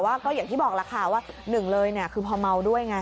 ก็อย่างที่บอกล่ะค่ะว่าหนึ่งเลยคือพอเมาด้วยไง